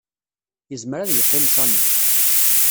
Yezmer ad yeqqim Sami.